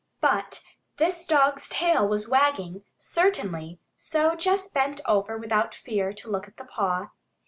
But this dog's tail was wagging, certainly, so Jess bent over without fear to look at the paw.